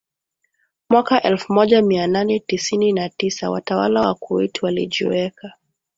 mwaka elfu moja Mia nane tisini na tisa watawala wa Kuwait walijiweka